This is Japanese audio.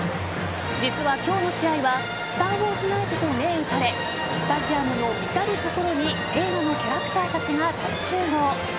実は今日の試合はスター・ウォーズ・ナイトと銘打たれスタジアムの至る所にゲームのキャラクターが大集合。